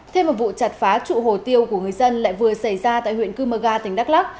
thêm một vụ chặt phá trụ hồ tiêu của người dân lại vừa xảy ra tại huyện cư mơ ga tỉnh đắk lắc